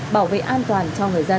bảo vệ an toàn cho người dân